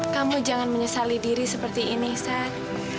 kamu jangan menyesali diri seperti ini sah